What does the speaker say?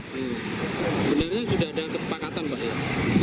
sebenarnya sudah ada kesepakatan pak ya